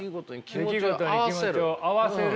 出来事に気持ちを合わせる。